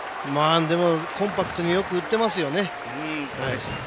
でもコンパクトによく打ってますね。